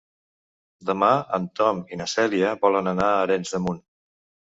Demà en Tom i na Cèlia volen anar a Arenys de Munt.